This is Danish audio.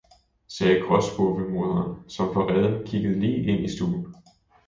sagde gråspurvemoderen, som fra reden kiggede lige ind i stuen.